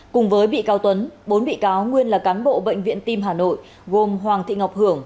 cùng với bị cáo tuấn bốn bị cáo nguyên là cán bộ bệnh viện tim hà nội gồm hoàng thị ngọc hưởng